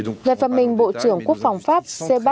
ngài phạm minh bộ trưởng quốc phòng pháp